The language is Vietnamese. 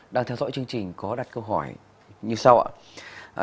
đang theo dõi chương trình có đặt câu hỏi như sau ạ